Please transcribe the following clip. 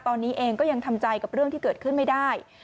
ตอนนี้เองก็ยังทำใจกับเรื่องที่เกิดขึ้นไม่ได้